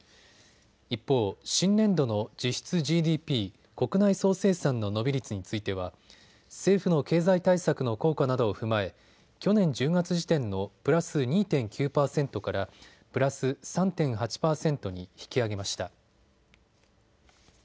一方、新年度の実質ＧＤＰ・国内総生産の伸び率については政府の経済対策の効果などを踏まえ去年１０月時点のプラス２．９％からプラス３．８％に引き上げました。